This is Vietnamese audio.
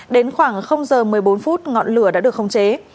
đến khoảng giờ một mươi bốn phút ngọn lửa đã được khống chế